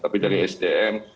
tapi dari sdm